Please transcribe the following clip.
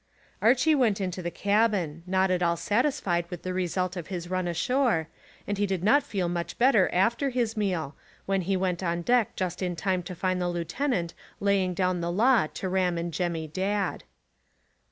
Archy went into the cabin, not at all satisfied with the result of his run ashore, and he did not feel much better after his meal, when he went on deck just in time to find the lieutenant laying down the law to Ram and Jemmy Dadd.